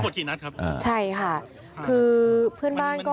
งี้มันกี่นัดค่ะ